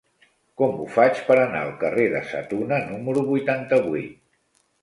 Com ho faig per anar al carrer de Sa Tuna número vuitanta-vuit?